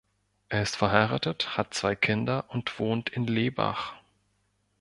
Er ist verheiratet, hat zwei Kinder und wohnt in Lebach.